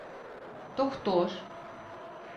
— То хто ж?